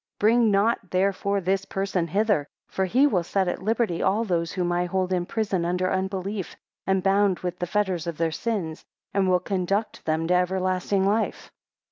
20 Bring not therefore this person hither, for he will set at liberty all those whom I hold in prison under unbelief, and bound with the fetters of their sins, and will conduct them to everlasting life.